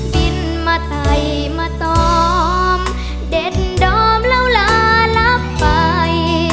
บินมาไตมาตอมเด็ดดอมแล้วลารับไป